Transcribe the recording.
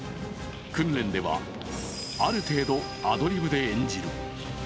訓練ではある程度アドリブで演じる。